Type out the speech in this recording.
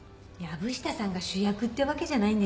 藪下さんが主役ってわけじゃないんですから。